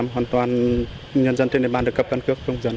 một trăm linh hoàn toàn nhân dân trên địa bàn